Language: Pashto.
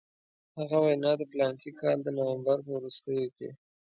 هغه وینا د فلاني کال د نومبر په وروستیو کې.